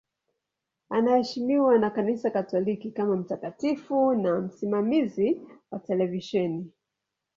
Anaheshimiwa na Kanisa Katoliki kama mtakatifu na msimamizi wa televisheni.